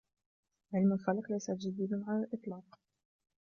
علم الفلك ليس جديدا على الإطلاق.